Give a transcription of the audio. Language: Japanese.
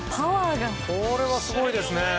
これはすごいですね。